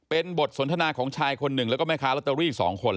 เป็นบทสนทนาของชายคนหนึ่งแล้วก็แม่ค้าลอตเตอรี่๒คน